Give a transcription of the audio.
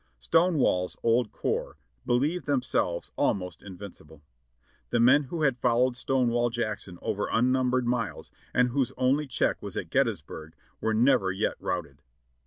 Stonewall's old corps believed themselves almost invincible. The men who had followed Stonewall Jackson over unnumbered miles, and whose only check was at Gettysburg, were never yet routed.